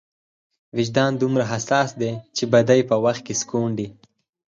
وجدان دومره حساس دی چې بدۍ په وخت کې سکونډي.